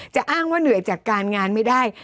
อ้างว่าเหนื่อยจากการงานไม่ได้